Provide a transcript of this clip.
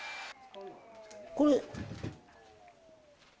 これ。